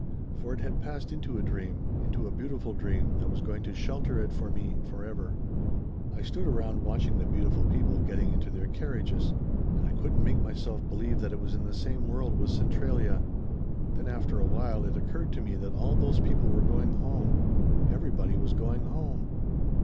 For it had passed into a dream into a beautiful dream that was going to shelter it for me forever. "I stood around watching the beautiful people getting into their carriages. And I couldn't make myself believe that it was in the same world with Centralia. "Then after a while it occurred to me that all those people were going home. Everybody was going home.